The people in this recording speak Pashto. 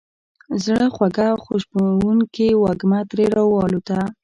زړه خوږه او خوشبوونکې وږمه ترې را والوته.